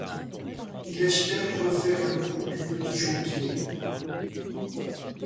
Il espère refaire le coup du petit Jonquier.